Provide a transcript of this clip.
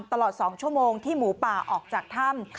ตลอด๒ชั่วโมงที่หมูป่าออกจากถ้ำ